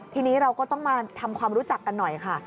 ทีนี้เราก็ต้องมาทำความรู้จักกันหน่อยค่ะ